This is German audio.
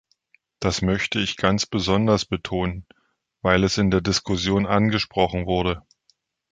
Das möchte ich ganz besonders betonen, weil es in der Diskussion angesprochen wurde.